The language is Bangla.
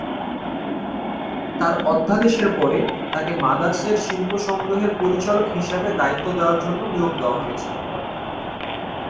তাঁর অধ্যাদেশের পরে, তাকে মাদার সের শিল্প সংগ্রহের পরিচালক হিসাবে দায়িত্ব দেওয়ার জন্য নিয়োগ দেওয়া হয়েছিল।